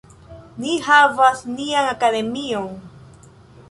Ni havas nian Akademion.